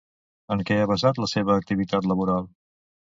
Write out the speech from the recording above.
En què ha basat la seva activitat laboral?